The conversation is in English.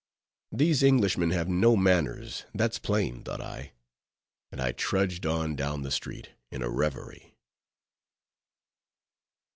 These Englishmen have no manners, that's plain, thought I; and I trudged on down the street in a reverie.